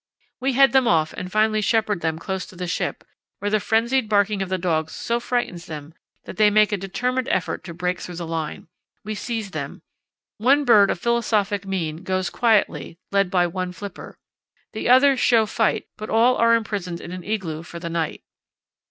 We head them off and finally shepherd them close to the ship, where the frenzied barking of the dogs so frightens them that they make a determined effort to break through the line. We seize them. One bird of philosophic mien goes quietly, led by one flipper. The others show fight, but all are imprisoned in an igloo for the night....